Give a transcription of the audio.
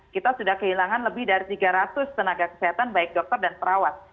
kita sudah kehilangan lebih dari tiga ratus tenaga kesehatan baik dokter dan perawat